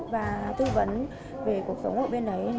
và tư vấn về cuộc sống ở bên ấy